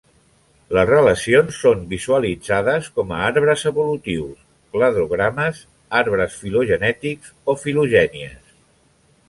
Les relacions són visualitzades com a arbres evolutius, cladogrames, arbres filogenètics o filogènies.